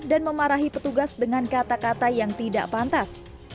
dan memarahi petugas dengan kata kata yang tidak pantas